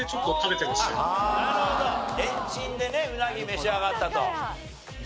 レンチンでねうなぎ召し上がったと。